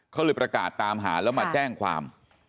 เขาเลยประกาศตามหาแล้วมาแจ้งความ